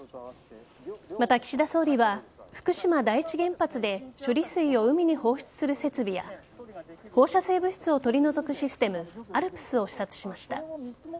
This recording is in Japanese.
また、岸田総理は福島第一原発で処理水を海に放出する設備や放射性物質を取り除くシステムアルプスを視察しました。